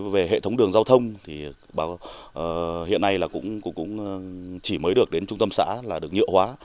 về hệ thống đường giao thông thì hiện nay là cũng chỉ mới được đến trung tâm xã là được nhựa hóa